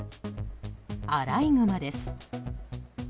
アライグマです。